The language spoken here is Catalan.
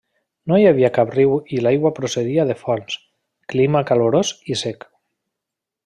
No hi havia cap riu i l'aigua procedia de fonts; clima calorós i sec.